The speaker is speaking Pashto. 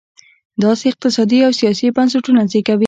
داسې اقتصادي او سیاسي بنسټونه زېږوي.